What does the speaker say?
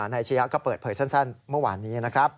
อาชียะก็เปิดเผยสั้นเมื่อวานนี้นะครับ